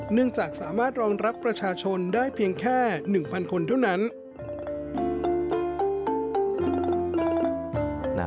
เนื่องจากสามารถรองรับประชาชนได้เพียงแค่๑๐๐คนเท่านั้น